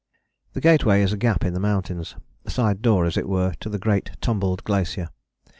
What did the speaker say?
The Gateway is a gap in the mountains, a side door, as it were, to the great tumbled glacier.